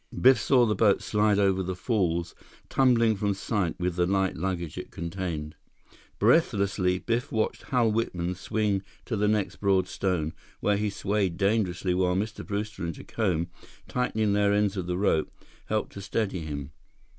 Biff saw the boat slide over the falls, tumbling from sight with the light luggage it contained. Breathlessly, Biff watched Hal Whitman swing to the next broad stone, where he swayed dangerously while Mr. Brewster and Jacome, tightening their ends of the rope, helped to steady him.